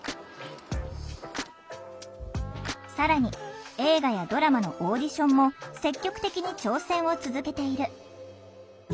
更に映画やドラマのオーディションも積極的に挑戦を続けている。